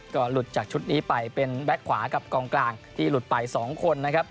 ก็ลุดจากชุดนี้ปรีกก้องกลางหลุดไป๒คน